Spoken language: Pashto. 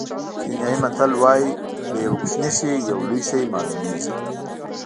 کینیايي متل وایي له یوه کوچني شي یو لوی شی معلومېږي.